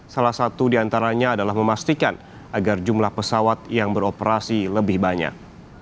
salah satu diantaranya adalah memastikan agar jumlah pesawat yang beroperasi lebih banyak